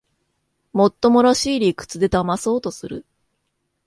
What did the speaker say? もっともらしい理屈でだまそうとする